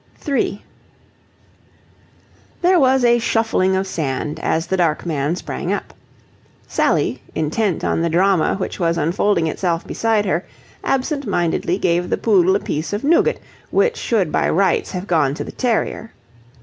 3 There was a shuffling of sand as the dark man sprang up. Sally, intent on the drama which was unfolding itself beside her, absent mindedly gave the poodle a piece of nougat which should by rights have gone to the terrier.